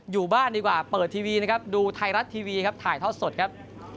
อยู่บ้านดีกว่าเปิดทีวีนะครับดูไทยรัฐทีวีครับถ่ายทอดสดครับ